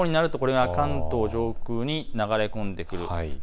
午後になるとこれが関東上空に流れ込んでくる。